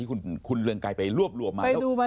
ที่คุณเรืองกายไปรวบมา